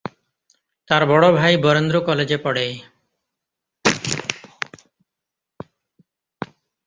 তার বড় ভাই বরেন্দ্র কলেজে পড়ে।